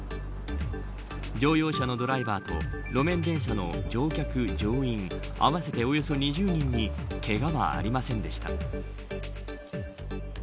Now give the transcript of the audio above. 乗用車のドライバーと路面電車の乗客、乗員合わせておよそ２０人にけがはありませんでした。